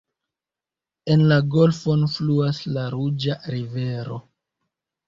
En la golfon fluas la ruĝa rivero.